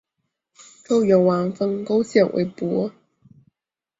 周元王封勾践为伯。